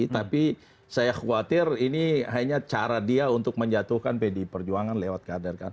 tapi saya khawatir ini hanya cara dia untuk menjatuhkan pdi perjuangan lewat kader kader